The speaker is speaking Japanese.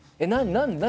「何？